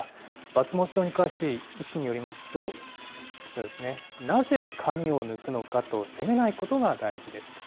抜毛症に詳しい医師によりますと、こちらですね、なぜ髪を抜くのかと責めないことが大事ですと。